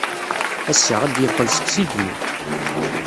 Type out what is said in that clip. Ass-a, ad d-yeqqel seg Sidney.